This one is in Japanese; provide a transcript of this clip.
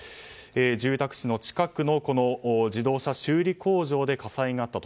住宅地の近くの自動車修理工場で火災がと。